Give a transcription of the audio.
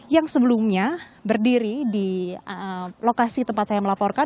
yang sebelumnya berdiri di lokasi tempat saya melaporkan